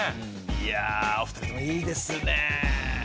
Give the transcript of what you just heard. いやお二人ともいいですね。